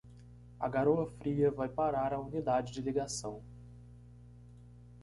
A garoa fria vai parar a unidade de ligação.